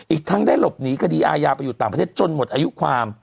อีกทั้งได้หลบหนีคดีอายาไปอยู่ต่างประเทศจนหมดอายุความ